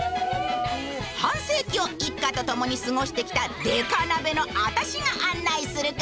半世紀を一家と共に過ごしてきたデカ鍋のアタシが案内するからね！